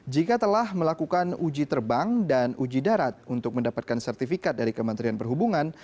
jika telah melakukan uji terbang dan uji darat untuk mendapatkan sertifikat dari kementerian perhubungan